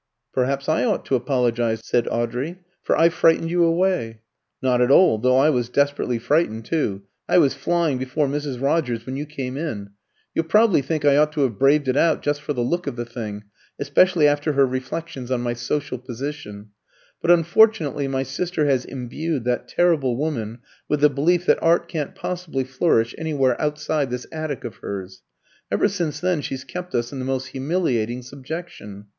"Perhaps I ought to apologise," said Audrey, "for I frightened you away." "Not at all, though I was desperately frightened too. I was flying before Mrs. Rogers when you came in. You'll probably think I ought to have braved it out, just for the look of the thing especially after her reflections on my social position but unfortunately my sister has imbued that terrible woman with the belief that art can't possibly flourish anywhere outside this attic of hers. Ever since then she's kept us in the most humiliating subjection.